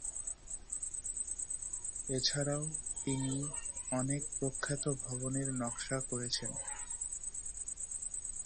এছাড়াও তিনি অনেক প্রখ্যাত ভবনের নকশা করেছেন।